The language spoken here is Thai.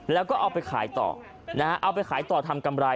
แล้วก็เอาไปขายต่อนะฮะเอาไปขายต่อทำกำไร